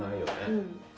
うん。